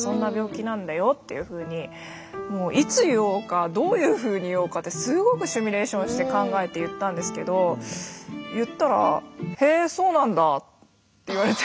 もういつ言おうかどういうふうに言おうかってすごくシミュレーションして考えて言ったんですけど言ったらって言われて。